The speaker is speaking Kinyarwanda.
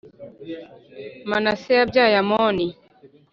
Manase yabyaye Amoni,